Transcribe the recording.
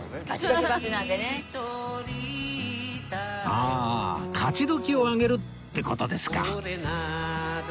ああ「勝ちどきを上げる」って事ですか